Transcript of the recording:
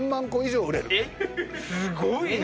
すごいな！